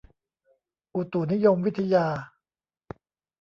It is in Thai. อุตุนิยมวิทยา